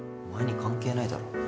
お前に関係ないだろ。